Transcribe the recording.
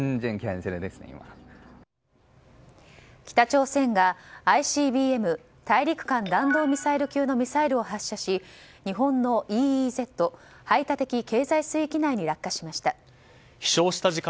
北朝鮮がＩＣＢＭ・大陸間弾道ミサイル級のミサイルを発射し、日本のＥＥＺ・排他的経済水域内に落下しました。